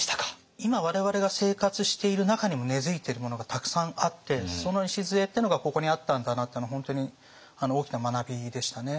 今我々が生活している中にも根づいているものがたくさんあってその礎っていうのがここにあったんだなっていうのは本当に大きな学びでしたね。